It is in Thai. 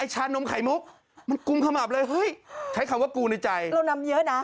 ใช้คำว่ากูในใจเรานำเยอะนะ